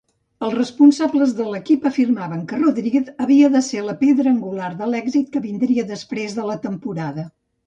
Els responsables de l'equip afirmaven que Rodríguez havia de ser la pedra angular de l'èxit que vindria després de la temporada.